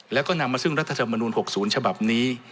แล้วก็นำมาซึ่งรัฐธรรมนูล๖๐ฉบับนี้